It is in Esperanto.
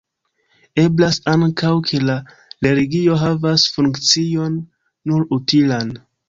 Eblas ankaŭ ke la religio havas funkcion nur utilan.